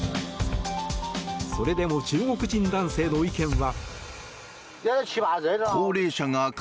それでも中国人男性の意見は。